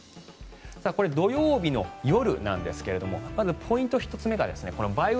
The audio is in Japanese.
これ、土曜日の夜なんですがまずポイント１つ目が梅雨